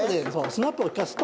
スナップを利かすと。